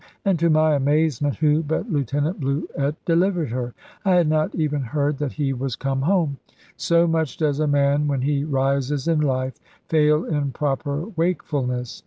And to my amazement, who but Lieutenant Bluett delivered her? I had not even heard that he was come home; so much does a man, when he rises in life, fail in proper wakefulness!